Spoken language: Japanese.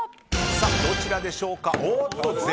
どちらでしょうか。